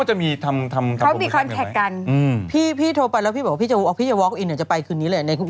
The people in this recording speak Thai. ใช่เราอาจจะเจอแบบนี้เวลาเราจองไปเมืองนอก